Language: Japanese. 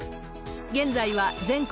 現在は全国